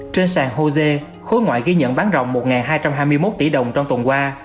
trên sàn hosea khối ngoại ghi nhận bán rộng một hai trăm hai mươi một tỷ đồng trong tuần qua